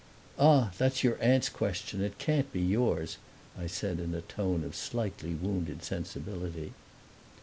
"Ah, that's your aunt's question; it can't be yours!" I said, in a tone of slightly wounded sensibility.